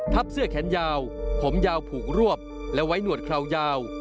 เสื้อแขนยาวผมยาวผูกรวบและไว้หนวดคราวยาว